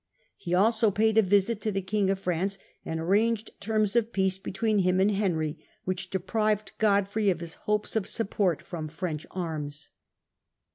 He also paid a visit to the king of France, and arranged terms of peace between liim and Henry, which deprived Godfrey of his hopes of support from French arms.